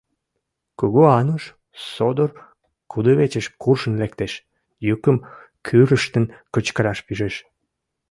Кугу Ануш содор кудывечыш куржын лектеш, йӱкым кӱрыштын кычкыраш пижеш: